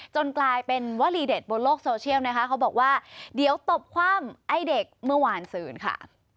กลายเป็นวลีเด็ดบนโลกโซเชียลนะคะเขาบอกว่าเดี๋ยวตบคว่ำไอ้เด็กเมื่อวานศืนค่ะ